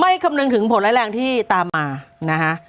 คำนึงถึงผลร้ายแรงที่ตามมานะฮะ